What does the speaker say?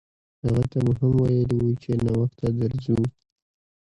هغه ته مو هم ویلي وو چې ناوخته درځو.